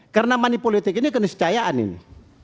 karena money politik ini keniscayaan ini